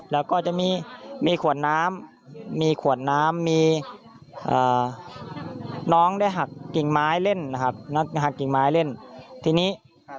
แล้วก็จะมีมีขวดน้ำมีขวดน้ำมีน้องได้หักกิ่งไม้เล่นนะครับหักกิ่งไม้เล่นทีนี้